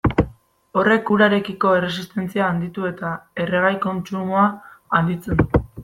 Horrek urarekiko erresistentzia handitu eta erregai kontsumoa handitzen du.